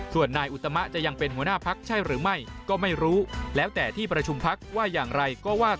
ส่วนนายอุตมะจะยังเป็นหัวหน้าพักใช่หรือไม่